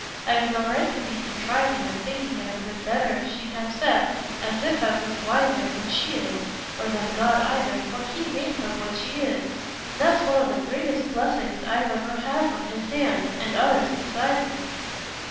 I've no right to be contriving and thinking it 'ud be better if she'd have Seth, as if I was wiser than she is—or than God either, for He made her what she is, and that's one o' the greatest blessings I've ever had from His hands, and others besides me."